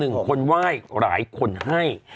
หนึ่งคนไหว้หลายคนให้